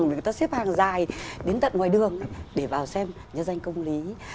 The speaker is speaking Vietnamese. người ta xếp hàng dài đến tận ngoài đường để vào xem nhân danh công lý